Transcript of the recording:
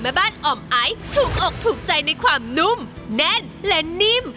แม่บ้านอ่อมไอซ์ถูกอกถูกใจในความนุ่มแน่นและนิ่ม